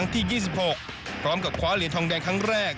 ที่๒๖พร้อมกับคว้าเหรียญทองแดงครั้งแรก